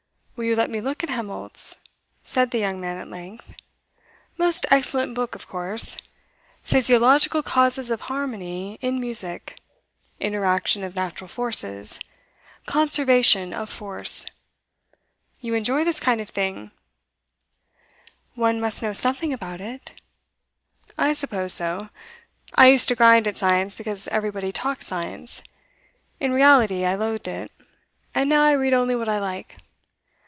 'Will you let me look at Helmholtz?' said the young man at length. 'Most excellent book, of course. "Physiological Causes of Harmony in Music," "Interaction of Natural Forces," "Conservation of Force." You enjoy this kind of thing?' 'One must know something about it.' 'I suppose so. I used to grind at science because everybody talked science. In reality I loathed it, and now I read only what I like.